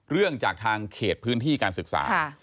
เรื่องจากทางเขตพื้นที่การศึกษา